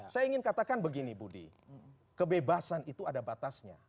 saya ingin katakan begini budi kebebasan itu ada batasnya